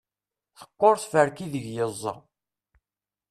teqqur tferka ideg yeẓẓa